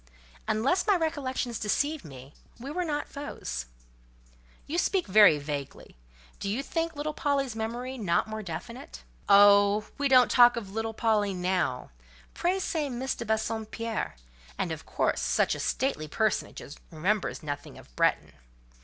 Unless my recollections deceive me, we were not foes—" "You speak very vaguely. Do you think little Polly's memory, not more definite?" "Oh! we don't talk of 'little Polly' now. Pray say, Miss de Bassompierre; and, of course, such a stately personage remembers nothing of Bretton.